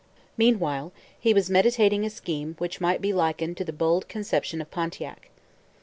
Meanwhile he was meditating a scheme which might be likened to the bold conception of Pontiac.